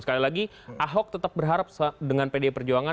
sekali lagi ahok tetap berharap dengan pdi perjuangan